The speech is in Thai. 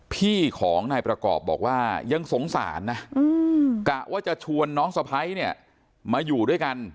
พี่ของนายประกอบบอกว่ายังสงสารนะกะว่าจะชวนน้องสะพ้ายเนี่ยมาอยู่ด้วยกัน